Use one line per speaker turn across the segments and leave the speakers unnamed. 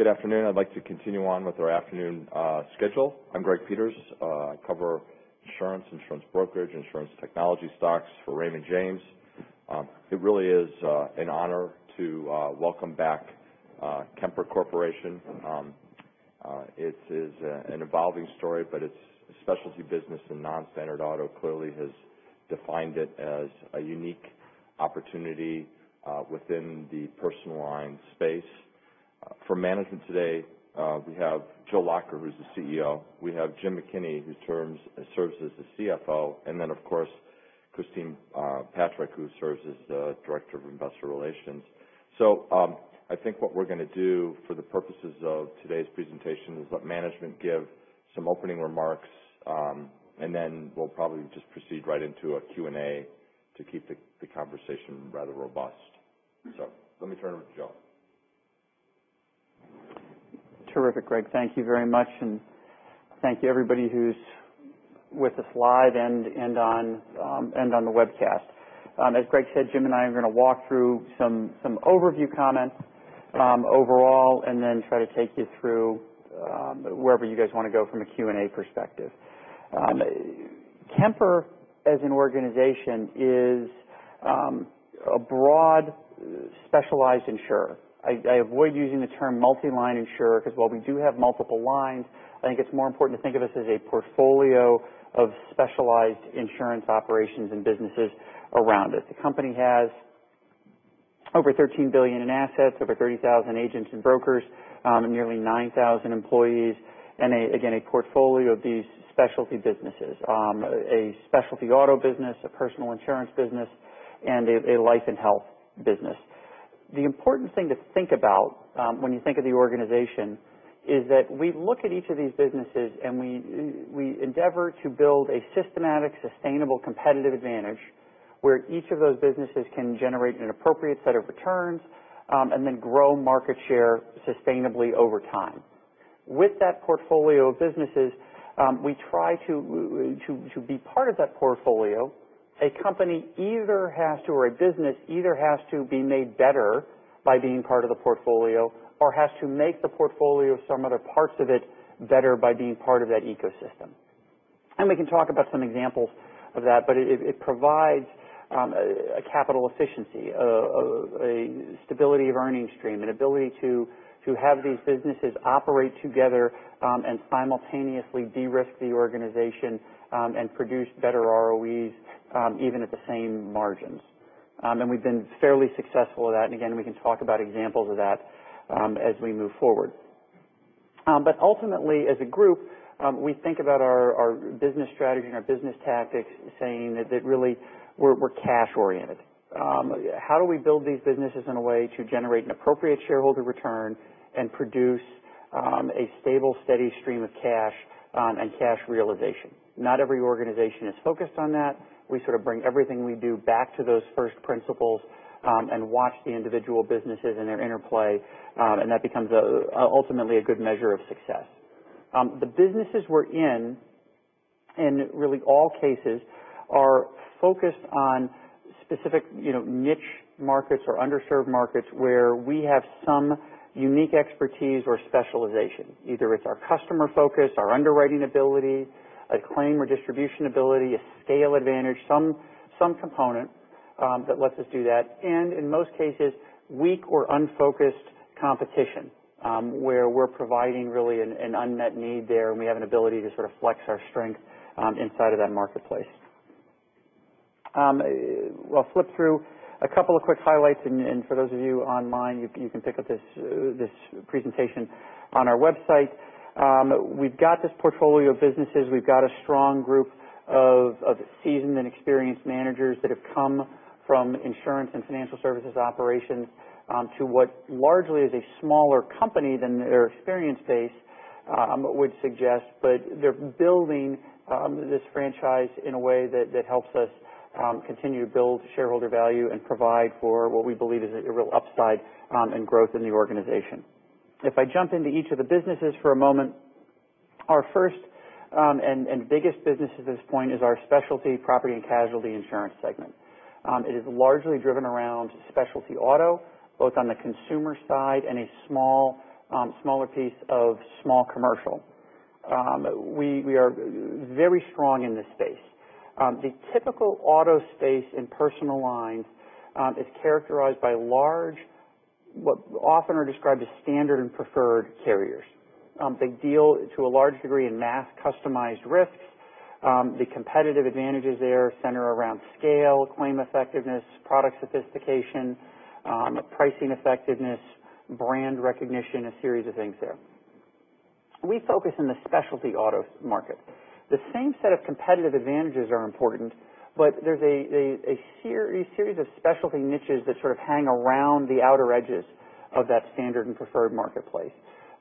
Good afternoon. I'd like to continue on with our afternoon schedule. I'm Greg Peters. I cover insurance brokerage, insurance technology stocks for Raymond James. It really is an honor to welcome back Kemper Corporation. It is an evolving story, but its specialty business in non-standard auto clearly has defined it as a unique opportunity within the personal line space. For management today, we have Joe Lacher, who's the CEO, we have Jim McKinney, who serves as the CFO, and then, of course, Christine Patrick, who serves as the Director of Investor Relations. I think what we're going to do for the purposes of today's presentation is let management give some opening remarks, and then we'll probably just proceed right into a Q&A to keep the conversation rather robust. Let me turn it over to Joe.
Terrific, Greg. Thank you very much, and thank you everybody who's with us live and on the webcast. As Greg said, Jim and I are going to walk through some overview comments overall and then try to take you through wherever you guys want to go from a Q&A perspective. Kemper as an organization is a broad, specialized insurer. I avoid using the term multi-line insurer because while we do have multiple lines, I think it's more important to think of us as a portfolio of specialized insurance operations and businesses around us. The company has over $13 billion in assets, over 30,000 agents and brokers, nearly 9,000 employees, and again, a portfolio of these specialty businesses. A specialty auto business, a personal insurance business, and a life and health business. The important thing to think about when you think of the organization is that we look at each of these businesses, and we endeavor to build a systematic, sustainable, competitive advantage where each of those businesses can generate an appropriate set of returns, and then grow market share sustainably over time. With that portfolio of businesses, we try to be part of that portfolio. A company or a business either has to be made better by being part of the portfolio or has to make the portfolio of some other parts of it better by being part of that ecosystem. We can talk about some examples of that, but it provides a capital efficiency, a stability of earning stream, an ability to have these businesses operate together and simultaneously de-risk the organization and produce better ROEs even at the same margins. We've been fairly successful at that. Again, we can talk about examples of that as we move forward. Ultimately, as a group, we think about our business strategy and our business tactics saying that really we're cash oriented. How do we build these businesses in a way to generate an appropriate shareholder return and produce a stable, steady stream of cash and cash realization? Not every organization is focused on that. We sort of bring everything we do back to those first principles and watch the individual businesses and their interplay, and that becomes ultimately a good measure of success. The businesses we're in really all cases, are focused on specific niche markets or underserved markets where we have some unique expertise or specialization. Either it's our customer focus, our underwriting ability, a claim or distribution ability, a scale advantage, some component that lets us do that. In most cases, weak or unfocused competition, where we're providing really an unmet need there. We have an ability to sort of flex our strength inside of that marketplace. I'll flip through a couple of quick highlights. For those of you online, you can pick up this presentation on our website. We've got this portfolio of businesses. We've got a strong group of seasoned and experienced managers that have come from insurance and financial services operations to what largely is a smaller company than their experience base would suggest. They're building this franchise in a way that helps us continue to build shareholder value and provide for what we believe is a real upside in growth in the organization. If I jump into each of the businesses for a moment, our first and biggest business at this point is our Specialty Property & Casualty Insurance segment. It is largely driven around specialty auto, both on the consumer side and a smaller piece of small commercial. We are very strong in this space. The typical auto space in personal lines is characterized by large, what often are described as standard and preferred carriers. They deal to a large degree in mass customized risks. The competitive advantages there center around scale, claim effectiveness, product sophistication, pricing effectiveness, brand recognition, a series of things there. We focus on the specialty auto market. The same set of competitive advantages are important. There's a series of specialty niches that sort of hang around the outer edges of that standard and preferred marketplace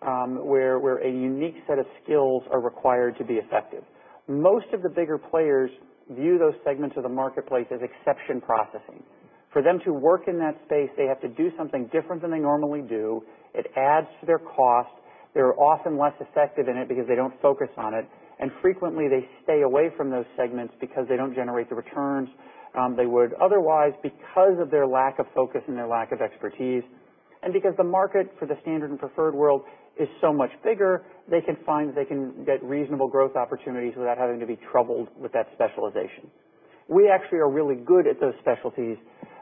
where a unique set of skills are required to be effective. Most of the bigger players view those segments of the marketplace as exception processing. For them to work in that space, they have to do something different than they normally do. It adds to their cost. They're often less effective in it because they don't focus on it. Frequently, they stay away from those segments because they don't generate the returns they would otherwise because of their lack of focus and their lack of expertise. Because the market for the standard and preferred world is so much bigger, they can find that they can get reasonable growth opportunities without having to be troubled with that specialization. We actually are really good at those specialties.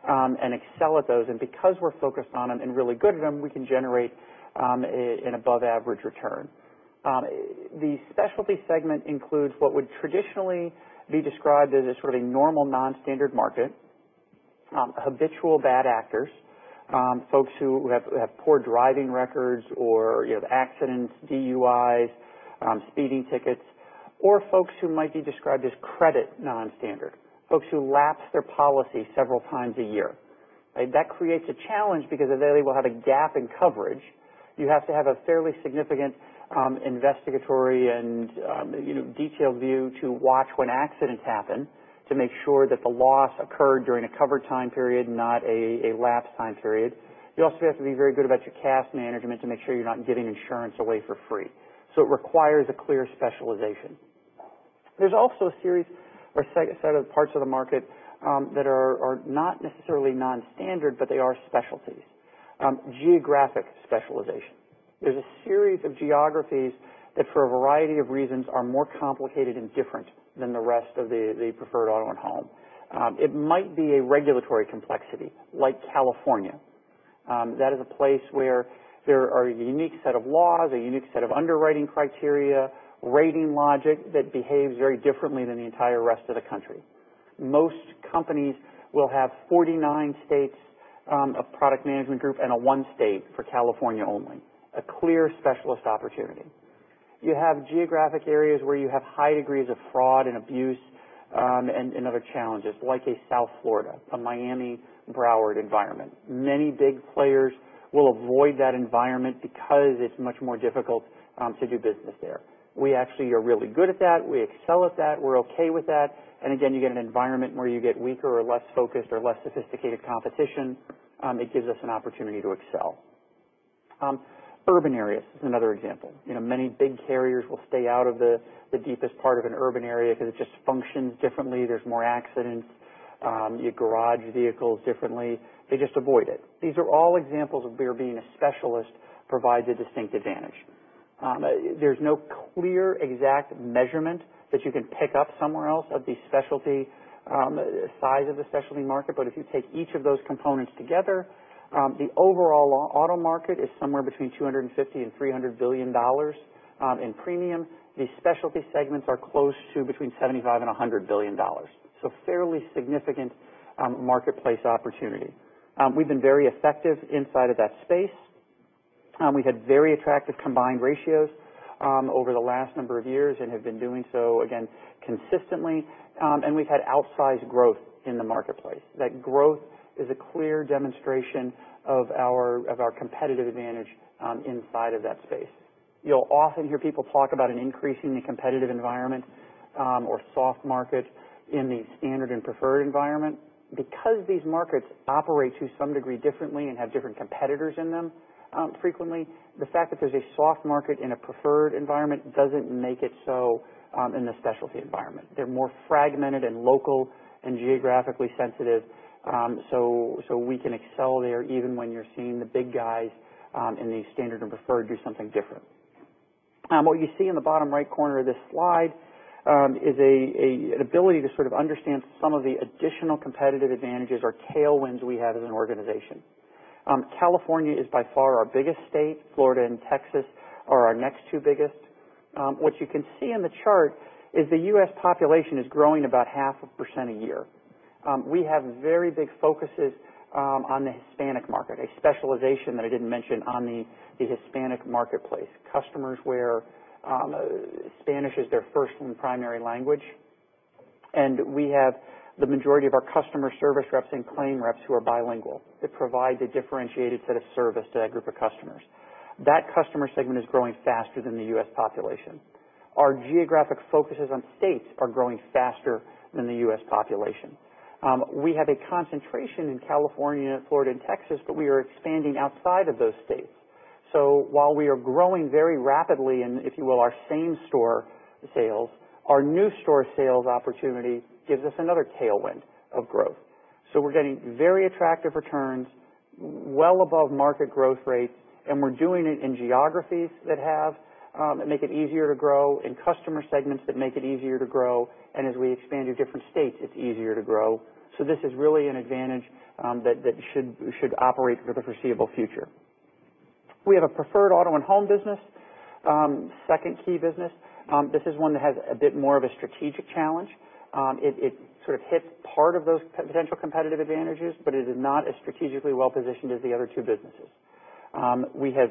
We excel at those. Because we're focused on them and really good at them, we can generate an above average return. The specialty segment includes what would traditionally be described as a sort of normal non-standard market, habitual bad actors, folks who have poor driving records or accidents, DUIs, speeding tickets, or folks who might be described as credit non-standard, folks who lapse their policy several times a year. That creates a challenge because they will have a gap in coverage. You have to have a fairly significant investigatory and detailed view to watch when accidents happen to make sure that the loss occurred during a covered time period, not a lapsed time period. You also have to be very good about your cash management to make sure you're not giving insurance away for free. It requires a clear specialization. There's also a series or set of parts of the market that are not necessarily non-standard. They are specialties. Geographic specialization. There's a series of geographies that, for a variety of reasons, are more complicated and different than the rest of the preferred auto and home. It might be a regulatory complexity like California. That is a place where there are a unique set of laws, a unique set of underwriting criteria, rating logic that behaves very differently than the entire rest of the country. Most companies will have 49 states of product management group and a one state for California only. A clear specialist opportunity. You have geographic areas where you have high degrees of fraud and abuse, and other challenges like a South Florida, a Miami, Broward environment. Many big players will avoid that environment because it's much more difficult to do business there. We actually are really good at that. We excel at that. We're okay with that. Again, you get an environment where you get weaker or less focused or less sophisticated competition, it gives us an opportunity to excel. Urban areas is another example. Many big carriers will stay out of the deepest part of an urban area because it just functions differently. There is more accidents. You garage vehicles differently. They just avoid it. These are all examples of where being a specialist provides a distinct advantage. There is no clear, exact measurement that you can pick up somewhere else of the size of the specialty market. If you take each of those components together, the overall auto market is somewhere between $250 billion-$300 billion in premium. The specialty segments are close to between $75 billion-$100 billion. Fairly significant marketplace opportunity. We've been very effective inside of that space. We've had very attractive combined ratio over the last number of years and have been doing so, again, consistently. We've had outsized growth in the marketplace. That growth is a clear demonstration of our competitive advantage inside of that space. You'll often hear people talk about an increase in the competitive environment, or soft market in the standard and preferred environment because these markets operate to some degree differently and have different competitors in them frequently. The fact that there is a soft market in a preferred environment doesn't make it so in the specialty environment. They're more fragmented and local and geographically sensitive. We can excel there even when you're seeing the big guys in the standard and preferred do something different. What you see in the bottom right corner of this slide is an ability to sort of understand some of the additional competitive advantages or tailwinds we have as an organization. California is by far our biggest state. Florida and Texas are our next two biggest. What you can see on the chart is the U.S. population is growing about 0.5% a year. We have very big focuses on the Hispanic market, a specialization that I didn't mention on the Hispanic marketplace. Customers where Spanish is their first and primary language. We have the majority of our customer service reps and claim reps who are bilingual that provide the differentiated set of service to that group of customers. That customer segment is growing faster than the U.S. population. Our geographic focuses on states are growing faster than the U.S. population. We have a concentration in California, Florida, and Texas. We are expanding outside of those states. While we are growing very rapidly in, if you will, our same store sales, our new store sales opportunity gives us another tailwind of growth. We're getting very attractive returns, well above market growth rates, and we're doing it in geographies that make it easier to grow, in customer segments that make it easier to grow. As we expand to different states, it's easier to grow. This is really an advantage that should operate for the foreseeable future. We have a preferred auto and home business, second key business. This is one that has a bit more of a strategic challenge. It sort of hits part of those potential competitive advantages. It is not as strategically well-positioned as the other two businesses. We have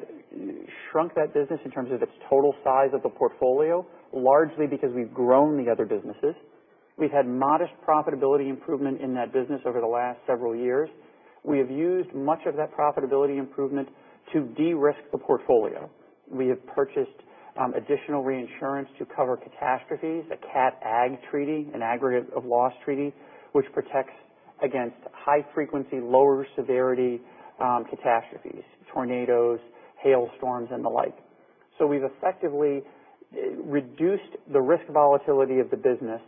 shrunk that business in terms of its total size of the portfolio, largely because we've grown the other businesses. We've had modest profitability improvement in that business over the last several years. We have used much of that profitability improvement to de-risk the portfolio. We have purchased additional reinsurance to cover catastrophes, a catastrophe aggregate treaty, an aggregate of loss treaty, which protects against high frequency, lower severity catastrophes, tornadoes, hailstorms, and the like. We've effectively reduced the risk volatility of the business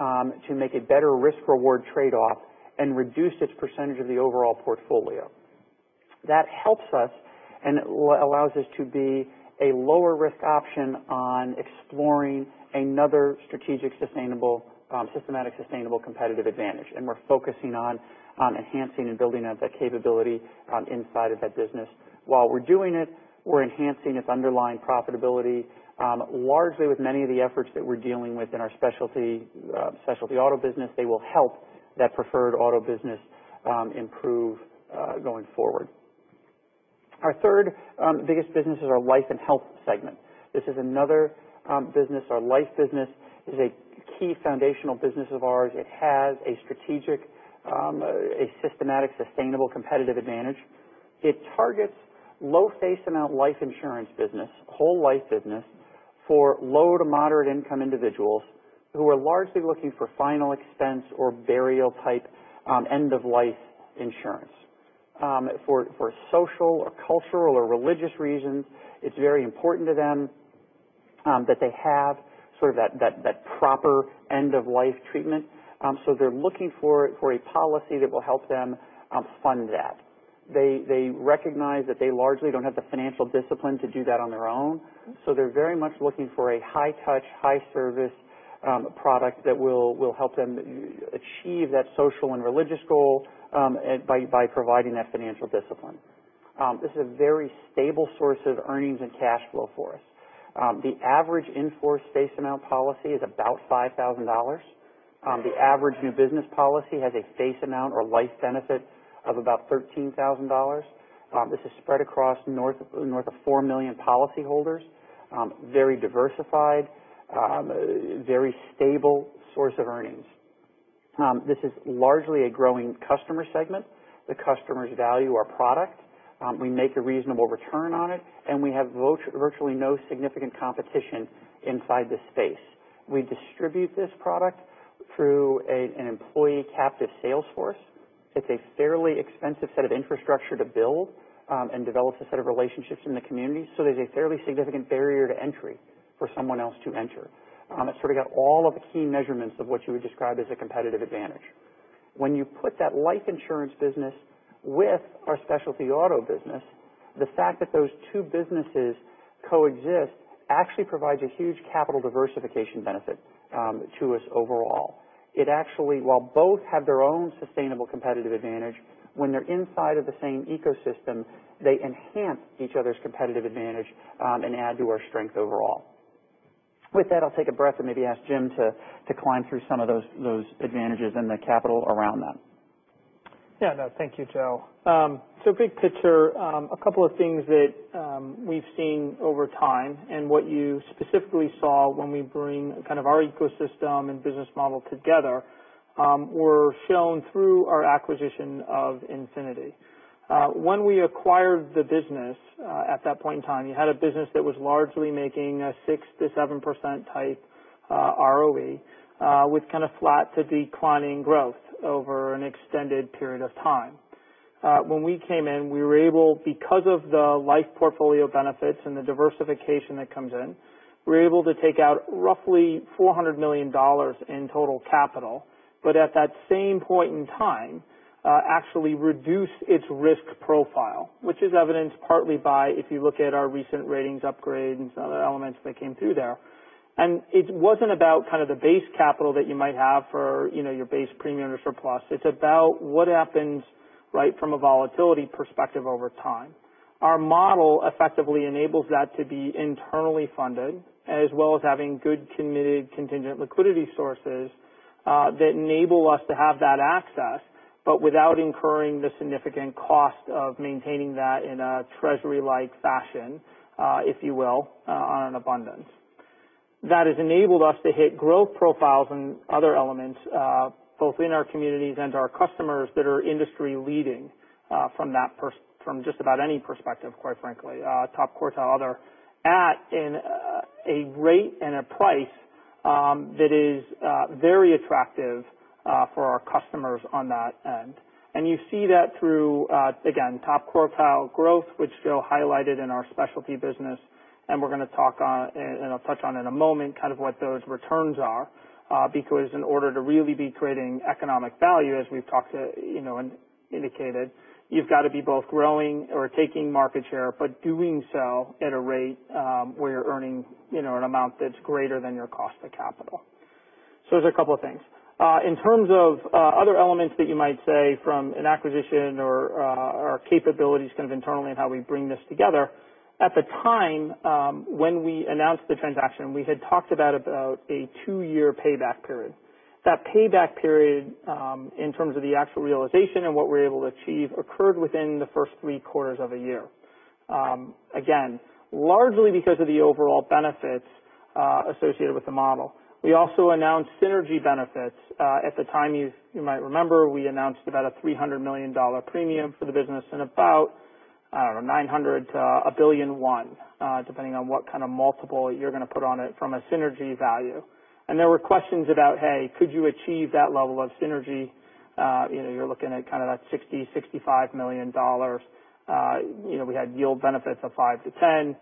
to make a better risk-reward trade-off and reduce its percentage of the overall portfolio. That helps us and allows us to be a lower risk option on exploring another strategic, systematic, sustainable competitive advantage. We're focusing on enhancing and building out that capability inside of that business. While we're doing it, we're enhancing its underlying profitability, largely with many of the efforts that we're dealing with in our specialty auto business. They will help that preferred auto business improve going forward. Our third biggest business is our life and health segment. This is another business. Our life business is a key foundational business of ours. It has a strategic, a systematic, sustainable competitive advantage. It targets low face amount life insurance business, whole life business, for low to moderate income individuals who are largely looking for final expense or burial type end-of-life insurance. For social or cultural or religious reasons, it's very important to them that they have that proper end-of-life treatment. They're looking for a policy that will help them fund that. They recognize that they largely don't have the financial discipline to do that on their own. They're very much looking for a high touch, high service product that will help them achieve that social and religious goal by providing that financial discipline. This is a very stable source of earnings and cash flow for us. The average in-force face amount policy is about $5,000. The average new business policy has a face amount or life benefit of about $13,000. This is spread across north of 4 million policy holders. Very diversified, very stable source of earnings. This is largely a growing customer segment. The customers value our product. We make a reasonable return on it. We have virtually no significant competition inside this space. We distribute this product through an employee captive sales force. It's a fairly expensive set of infrastructure to build and develops a set of relationships in the community. There's a fairly significant barrier to entry for someone else to enter. It's got all of the key measurements of what you would describe as a competitive advantage. When you put that life insurance business with our specialty auto business, the fact that those two businesses coexist actually provides a huge capital diversification benefit to us overall. While both have their own sustainable competitive advantage, when they're inside of the same ecosystem, they enhance each other's competitive advantage and add to our strength overall. With that, I'll take a breath and maybe ask Jim to climb through some of those advantages and the capital around them.
Yeah. No, thank you, Joe. Big picture, a couple of things that we've seen over time and what you specifically saw when we bring our ecosystem and business model together were shown through our acquisition of Infinity. When we acquired the business, at that point in time, you had a business that was largely making a 6%-7% type ROE with flat to declining growth over an extended period of time. When we came in, because of the life portfolio benefits and the diversification that comes in, we were able to take out roughly $400 million in total capital, but at that same point in time, actually reduce its risk profile, which is evidenced partly by if you look at our recent ratings upgrade and some of the elements that came through there. It wasn't about the base capital that you might have for your base premium or surplus. It's about what happens right from a volatility perspective over time. Our model effectively enables that to be internally funded, as well as having good committed contingent liquidity sources that enable us to have that access, but without incurring the significant cost of maintaining that in a treasury-like fashion, if you will, on an abundance. That has enabled us to hit growth profiles and other elements both in our communities and to our customers that are industry-leading from just about any perspective, quite frankly, top quartile or other, at a rate and a price that is very attractive for our customers on that end. You see that through, again, top quartile growth, which Joe highlighted in our specialty business. We're going to talk on, and I'll touch on in a moment, what those returns are. Because in order to really be creating economic value, as we've indicated, you've got to be both growing or taking market share, but doing so at a rate where you're earning an amount that's greater than your cost of capital. There's a couple of things. In terms of other elements that you might say from an acquisition or our capabilities internally and how we bring this together, at the time when we announced the transaction, we had talked about a 2-year payback period. That payback period, in terms of the actual realization and what we were able to achieve, occurred within the first 3 quarters of a year. Again, largely because of the overall benefits associated with the model. We also announced synergy benefits. At the time, you might remember, we announced about a $300 million premium for the business and about I don't know, $900 million to $1.1 billion, depending on what kind of multiple you're going to put on it from a synergy value. There were questions about, hey, could you achieve that level of synergy? You're looking at that $60 million-$65 million. We had yield benefits of five to 10.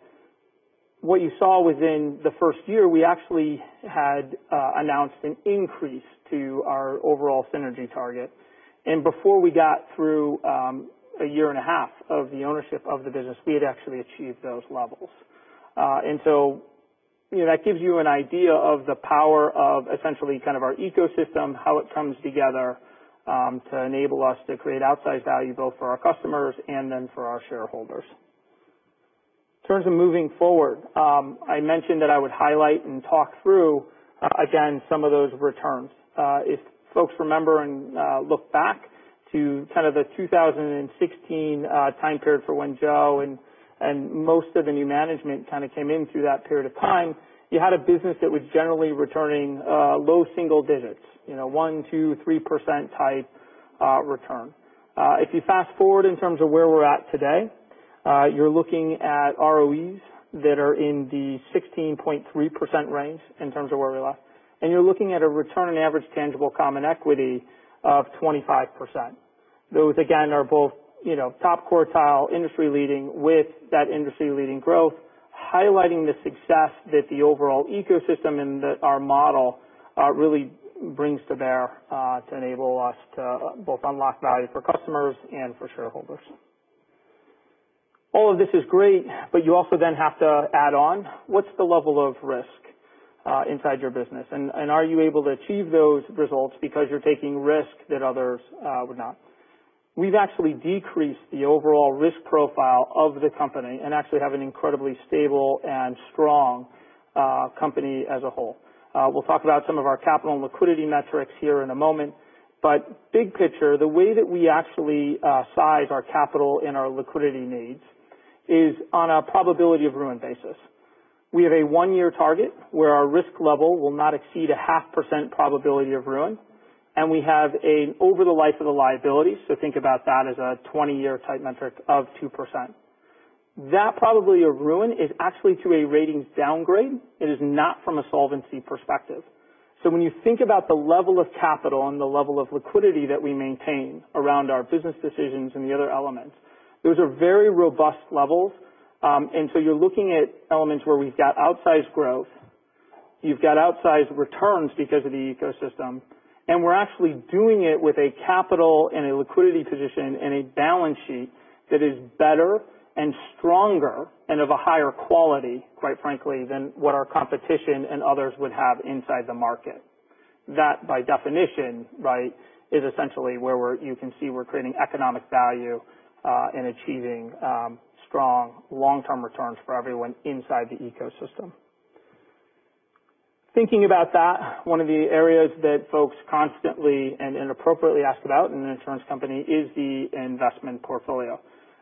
What you saw within the first year, we actually had announced an increase to our overall synergy target. Before we got through a year and a half of the ownership of the business, we had actually achieved those levels. That gives you an idea of the power of essentially our ecosystem, how it comes together, to enable us to create outsized value both for our customers and then for our shareholders. In terms of moving forward, I mentioned that I would highlight and talk through, again, some of those returns. If folks remember and look back to the 2016 time period for when Joe and most of the new management came in through that period of time, you had a business that was generally returning low single digits, 1%, 2%, 3%-type return. If you fast-forward in terms of where we're at today, you're looking at ROEs that are in the 16.3% range in terms of where we're at. You're looking at a return on average tangible common equity of 25%. Those, again, are both top quartile, industry-leading with that industry-leading growth, highlighting the success that the overall ecosystem and our model really brings to bear to enable us to both unlock value for customers and for shareholders. All of this is great, but you also then have to add on what's the level of risk inside your business, and are you able to achieve those results because you're taking risks that others would not? We've actually decreased the overall risk profile of the company and actually have an incredibly stable and strong company as a whole. We'll talk about some of our capital and liquidity metrics here in a moment. Big picture, the way that we actually size our capital and our liquidity needs is on a probability of ruin basis. We have a one-year target where our risk level will not exceed a 0.5% probability of ruin, and we have an over the life of the liability, so think about that as a 20-year type metric of 2%. That probability of ruin is actually to a ratings downgrade. It is not from a solvency perspective. When you think about the level of capital and the level of liquidity that we maintain around our business decisions and the other elements, those are very robust levels. You're looking at elements where we've got outsized growth, you've got outsized returns because of the ecosystem, and we're actually doing it with a capital and a liquidity position and a balance sheet that is better and stronger and of a higher quality, quite frankly, than what our competition and others would have inside the market. That, by definition, is essentially where you can see we're creating economic value, and achieving strong, long-term returns for everyone inside the ecosystem. Thinking about that, one of the areas that folks constantly and appropriately ask about in an insurance company is the investment portfolio.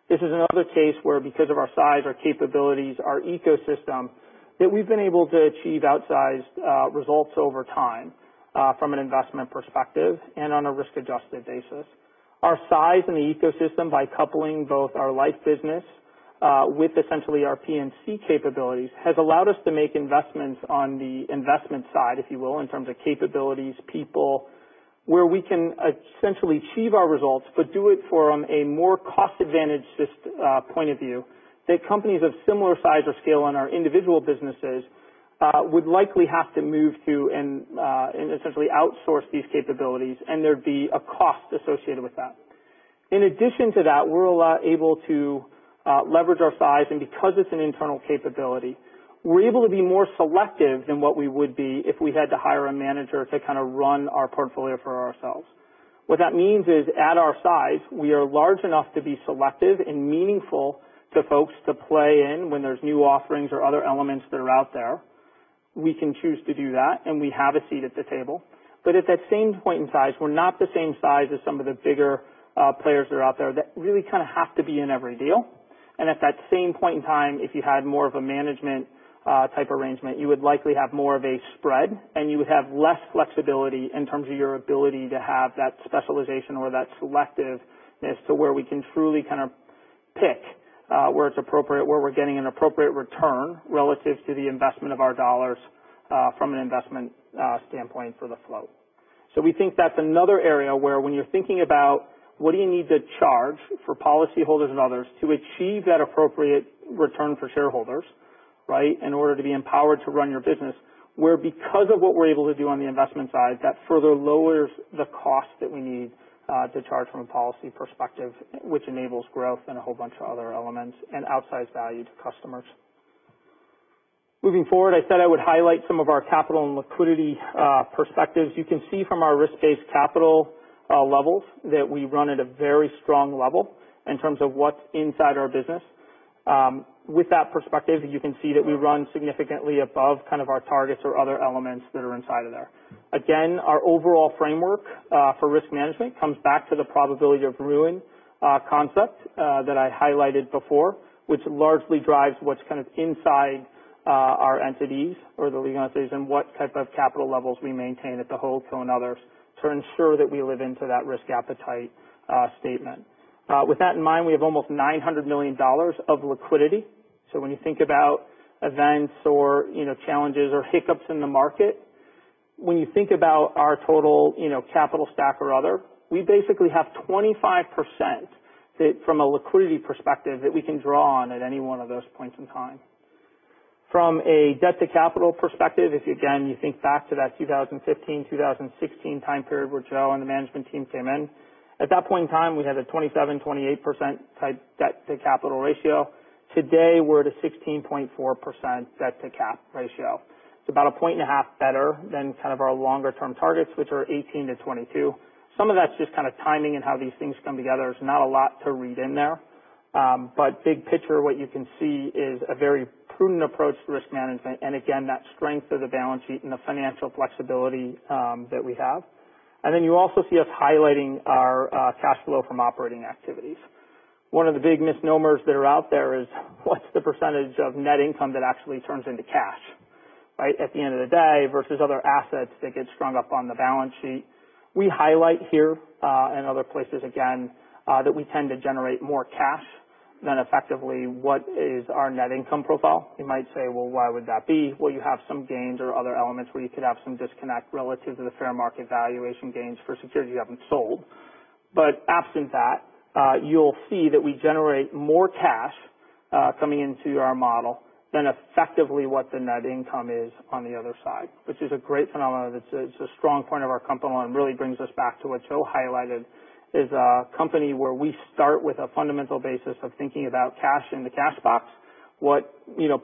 This is another case where because of our size, our capabilities, our ecosystem, that we've been able to achieve outsized results over time, from an investment perspective and on a risk-adjusted basis. Our size in the ecosystem by coupling both our life business, with essentially our P&C capabilities, has allowed us to make investments on the investment side, if you will, in terms of capabilities, people, where we can essentially achieve our results but do it from a more cost-advantaged point of view, that companies of similar size or scale on our individual businesses would likely have to move to and essentially outsource these capabilities, and there'd be a cost associated with that. In addition to that, we're able to leverage our size. Because it's an internal capability, we're able to be more selective than what we would be if we had to hire a manager to run our portfolio for ourselves. What that means is at our size, we are large enough to be selective and meaningful to folks to play in when there's new offerings or other elements that are out there. We can choose to do that, and we have a seat at the table. At that same point in size, we're not the same size as some of the bigger players that are out there that really have to be in every deal. At that same point in time, if you had more of a management type arrangement, you would likely have more of a spread, and you would have less flexibility in terms of your ability to have that specialization or that selectiveness to where we can truly pick where it's appropriate, where we're getting an appropriate return relative to the investment of our dollars from an investment standpoint for the float. We think that's another area where when you're thinking about what do you need to charge for policyholders and others to achieve that appropriate return for shareholders in order to be empowered to run your business, where because of what we're able to do on the investment side, that further lowers the cost that we need to charge from a policy perspective, which enables growth and a whole bunch of other elements and outsized value to customers. Moving forward, I said I would highlight some of our capital and liquidity perspectives. You can see from our risk-based capital levels that we run at a very strong level in terms of what's inside our business. With that perspective, you can see that we run significantly above our targets or other elements that are inside of there. Again, our overall framework for risk management comes back to the probability of ruin concept that I highlighted before, which largely drives what's inside our entities or the legal entities and what type of capital levels we maintain at the holdco and others to ensure that we live into that risk appetite statement. With that in mind, we have almost $900 million of liquidity. When you think about events or challenges or hiccups in the market, when you think about our total capital stack or other, we basically have 25% that from a liquidity perspective, that we can draw on at any one of those points in time. From a debt-to-capital perspective, if again, you think back to that 2015, 2016 time period where Joe and the management team came in, at that point in time, we had a 27%, 28% type debt-to-capital ratio. Today, we're at a 16.4% debt-to-cap ratio. It's about a point and a half better than our longer-term targets, which are 18-22. Some of that's just timing and how these things come together. There's not a lot to read in there. Big picture, what you can see is a very prudent approach to risk management, again, that strength of the balance sheet and the financial flexibility that we have. You also see us highlighting our cash flow from operating activities. One of the big misnomers that are out there is what's the % of net income that actually turns into cash? At the end of the day, versus other assets that get strung up on the balance sheet. We highlight here, other places again, that we tend to generate more cash than effectively what is our net income profile. You might say, "Well, why would that be?" Well, you have some gains or other elements where you could have some disconnect relative to the fair market valuation gains for securities you haven't sold. Absent that, you'll see that we generate more cash, coming into our model than effectively what the net income is on the other side, which is a great phenomenon that's a strong point of our company and really brings us back to what Joe highlighted, is a company where we start with a fundamental basis of thinking about cash in the cash box, what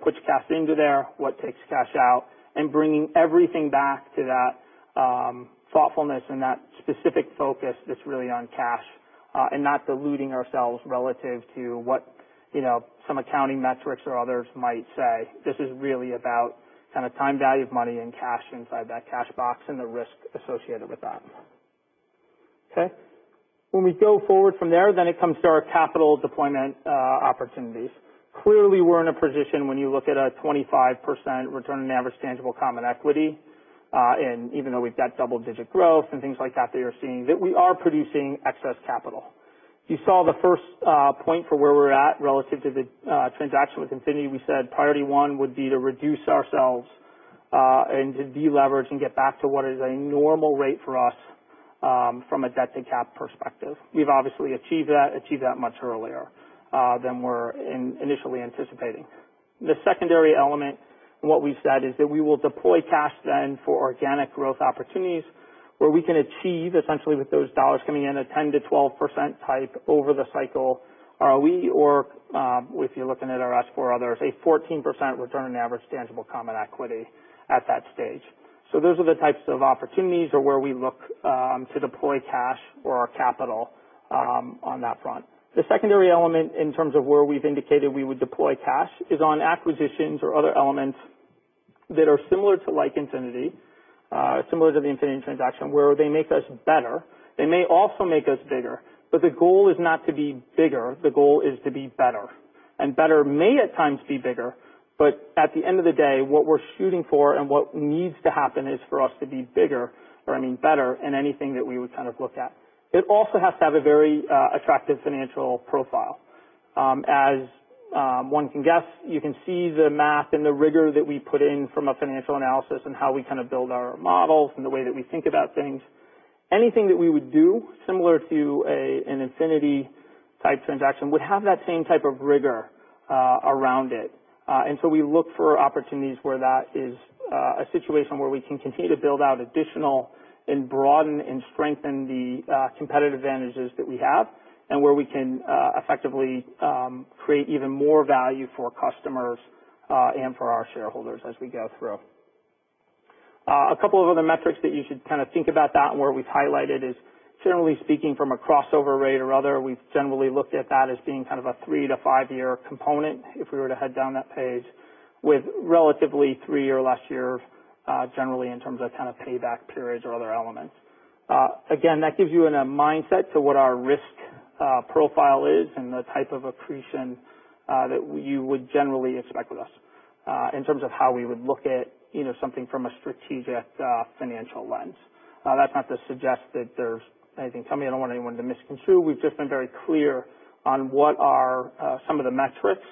puts cash into there, what takes cash out, and bringing everything back to that thoughtfulness and that specific focus that's really on cash, and not deluding ourselves relative to what some accounting metrics or others might say. This is really about time value of money and cash inside that cash box, and the risk associated with that. Okay? When we go forward from there, it comes to our capital deployment opportunities. Clearly, we're in a position when you look at a 25% return on average tangible common equity, even though we've got double-digit growth and things like that you're seeing, that we are producing excess capital. You saw the first point for where we're at relative to the transaction with Infinity. We said priority 1 would be to reduce ourselves, to deleverage and get back to what is a normal rate for us, from a debt-to-cap perspective. We've obviously achieved that much earlier than we're initially anticipating. The secondary element, what we've said is that we will deploy cash then for organic growth opportunities where we can achieve essentially with those dollars coming in a 10%-12% type over the cycle. We or if you're looking at our ask for others, a 14% return on average tangible common equity at that stage. Those are the types of opportunities or where we look to deploy cash or our capital on that front. The secondary element in terms of where we've indicated we would deploy cash is on acquisitions or other elements that are similar to like Infinity, similar to the Infinity transaction, where they make us better. They may also make us bigger. The goal is not to be bigger. The goal is to be better. Better may at times be bigger. At the end of the day, what we're shooting for and what needs to happen is for us to be bigger, or I mean better in anything that we would look at. It also has to have a very attractive financial profile. As one can guess, you can see the math and the rigor that we put in from a financial analysis and how we build our models and the way that we think about things. Anything that we would do similar to an Infinity type transaction would have that same type of rigor around it. We look for opportunities where that is a situation where we can continue to build out additional and broaden and strengthen the competitive advantages that we have, and where we can effectively create even more value for customers, and for our shareholders as we go through. A couple of other metrics that you should think about that and where we've highlighted is generally speaking from a crossover rate or other, we've generally looked at that as being a 3 to 5-year component if we were to head down that page with relatively 3 or less years, generally in terms of payback periods or other elements. Again, that gives you a mindset to what our risk profile is and the type of accretion that you would generally expect with us, in terms of how we would look at something from a strategic financial lens. That's not to suggest that there's anything coming. I don't want anyone to misconstrue. We've just been very clear on what are some of the metrics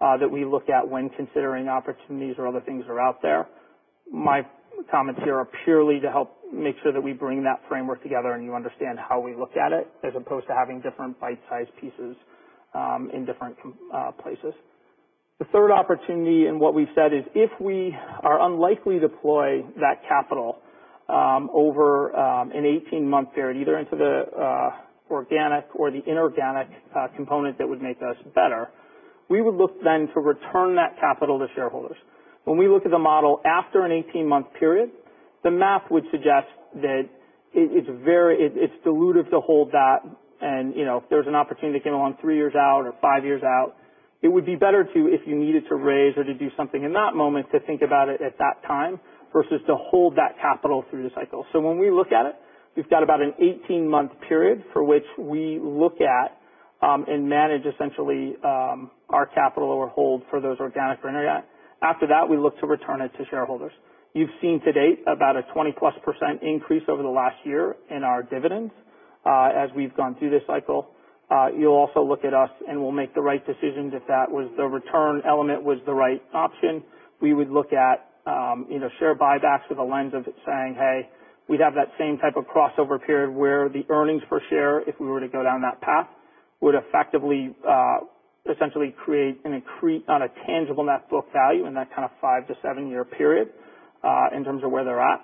that we look at when considering opportunities or other things that are out there. My comments here are purely to help make sure that we bring that framework together and you understand how we look at it as opposed to having different bite-sized pieces in different places. The third opportunity, what we've said is if we are unlikely to deploy that capital over an 18-month period, either into the organic or the inorganic component that would make us better, we would look then to return that capital to shareholders. When we look at the model after an 18-month period, the math would suggest that it's diluted to hold that and if there's an opportunity that came along 3 years out or 5 years out, it would be better to if you needed to raise or to do something in that moment, to think about it at that time versus to hold that capital through the cycle. When we look at it, we've got about an 18-month period for which we look at, and manage essentially, our capital or hold for those organic or inorganic. After that, we look to return it to shareholders. You've seen to date about a 20%+ increase over the last year in our dividends. As we've gone through this cycle, you'll also look at us and we'll make the right decisions if that was the return element was the right option. We would look at share buybacks with a lens of it saying, hey, we'd have that same type of crossover period where the earnings per share, if we were to go down that path, would effectively, essentially create an increase on a tangible net book value in that 5-7-year period, in terms of where they're at.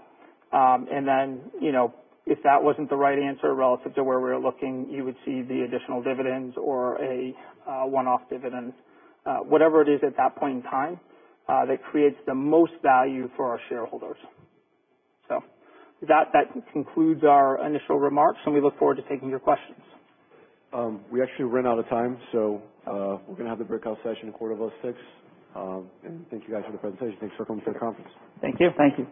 If that wasn't the right answer relative to where we're looking, you would see the additional dividends or a one-off dividend. Whatever it is at that point in time that creates the most value for our shareholders. That concludes our initial remarks, and we look forward to taking your questions.
We actually ran out of time, we're going to have the breakout session a quarter till 6. Thank you guys for the presentation. Thanks for coming to the conference.
Thank you.
Thank you.